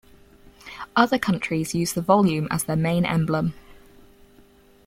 Other countries use the volume as their main emblem.